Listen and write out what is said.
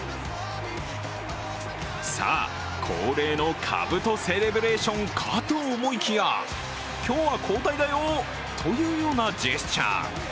さあ、恒例のかぶとセレブレーションかと思いきや、今日は交代だよというようなジェスチャー。